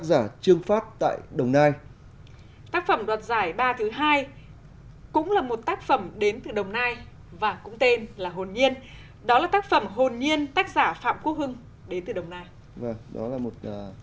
đích sắp đặt